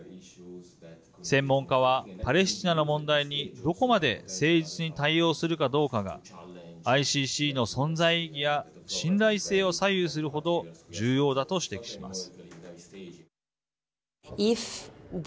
専門家は、パレスチナの問題にどこまで誠実に対応するかどうかがＩＣＣの存在意義や信頼性を左右するほど重要だと指摘します。